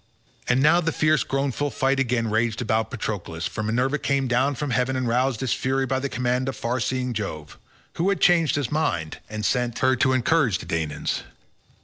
And now the fierce groanful fight again raged about Patroclus, for Minerva came down from heaven and roused its fury by the command of far seeing Jove, who had changed his mind and sent her to encourage the Danaans.